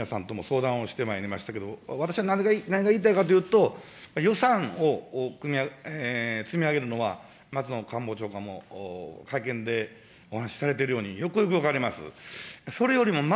山口委員長や本当に与党の皆さんとも相談をしてまいりましたが、私は何が言いたいかというと、予算を積み上げるのは、松野官房長官も、会見でお話しされているように、よくよく分かります。